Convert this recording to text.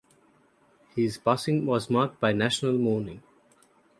His passing was marked by national mourning.